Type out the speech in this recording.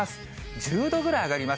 １０度ぐらい上がります。